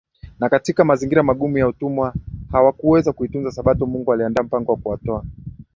na katika mazingira magumu ya Utumwa hawakuweza kuitunza Sabato Mungu aliandaa mpango wa kuwatoa